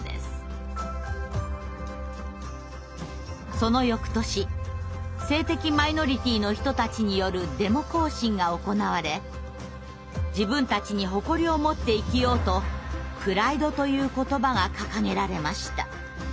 その翌年性的マイノリティーの人たちによるデモ行進が行われ自分たちに誇りをもって生きようと「プライド」という言葉が掲げられました。